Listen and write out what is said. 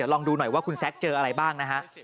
ลองดูคุณซักเจออะไรบ้าง